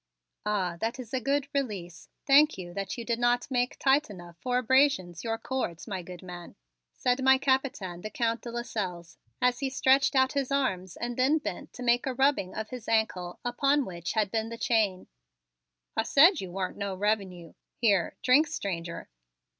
"Ah, that is a good release! Thank you that you did not make tight enough for abrasions your cords, my good man," said my Capitaine, the Count de Lasselles, as he stretched out his arms and then bent to make a rubbing of his ankle upon which had been the chain. "I said you warn't no revenue. Here, drink, stranger!"